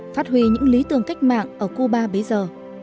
phát huy những lý tưởng cách mạng ở cuba bây giờ